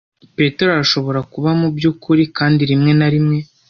Petero arashobora kuba mubyukuri-kandi rimwe na rimwe